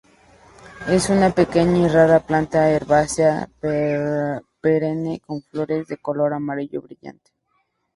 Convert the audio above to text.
Es una pequeña y rara planta herbácea perenne con flores de color amarillo brillante.